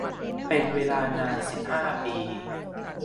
เป็นเวลานาน สิบห้า ปี